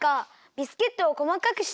ビスケットをこまかくしてくれる？